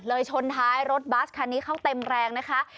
ชนท้ายรถบัสคันนี้เข้าเต็มแรงนะคะ